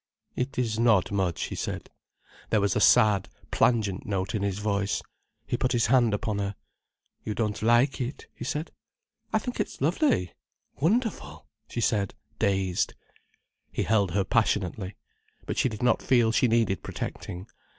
"It is not much," he said. There was a sad, plangent note in his voice. He put his hand upon her. "You don't like it?" he said. "I think it's lovely—wonderful," she said, dazed. He held her passionately. But she did not feel she needed protecting.